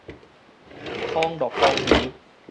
康樂公園